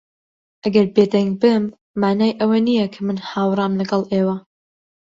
ئەگەر بێدەنگ بم، مانای ئەوە نییە کە من ھاوڕام لەگەڵ ئێوە.